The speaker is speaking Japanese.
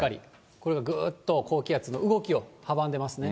これがぐっと高気圧の動きを阻んでますね。